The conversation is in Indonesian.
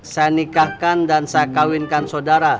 saya nikahkan dan saya kawinkan saudara